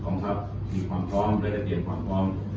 องค์ทัพมีความพร้อมและจะเตรียมความพร้อม